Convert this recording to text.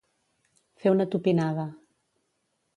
Fer una tupinada.